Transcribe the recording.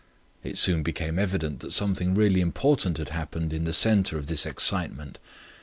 It soon became evident that something really important had happened in the centre of this excitement.